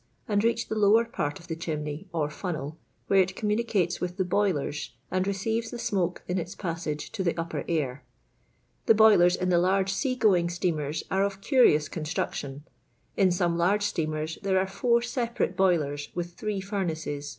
d reach the lower part of the chimney or funnel where it communicates with the boilers and re ceives the smoke iu its passage to the upper air. The buiiers in the Large sea going steamers arc of curious construction; in some large steamers there are four separate boilers with three furnace LONDON LABOUR AND THB LONDON POOR.